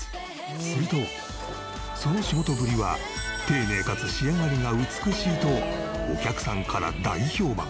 するとその仕事ぶりは丁寧かつ仕上がりが美しいとお客さんから大評判！